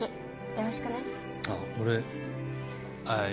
よろしく。